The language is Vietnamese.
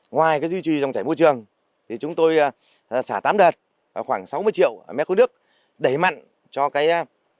ngoài duy trì trong trải môi trường chúng tôi xả tám đợt khoảng sáu mươi triệu m ba nước đẩy mặn cho trạm